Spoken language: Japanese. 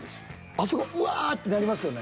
あそこうわってなりますよね。